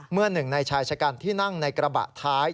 หนึ่งในชายชะกันที่นั่งในกระบะท้าย